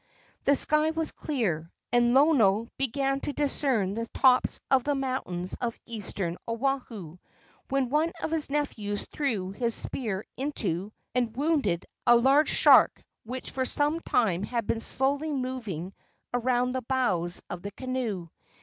The sky was clear, and Lono began to discern the tops of the mountains of eastern Oahu, when one of his nephews threw his spear into and wounded a large shark which for some time had been slowly moving around the bows of the canoe.